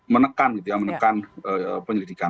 menekan menekan penyelidikan